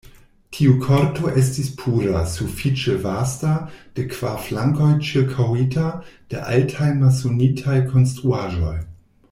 Tiu korto estis pura, sufiĉe vasta, de kvar flankoj ĉirkaŭita de altaj masonitaj konstruaĵoj.